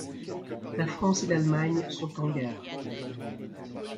La France et l'Allemagne sont en guerre.